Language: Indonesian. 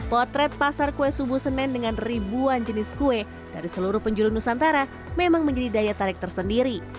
potret pasar kue subuh semen dengan ribuan jenis kue dari seluruh penjuru nusantara memang menjadi daya tarik tersendiri